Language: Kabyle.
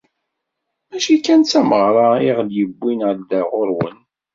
Mačči kan d tameɣra iɣ-d-yewwin ar da ɣur-wen.